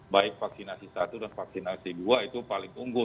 baik vaksinasi satu dan vaksinasi dua itu paling unggul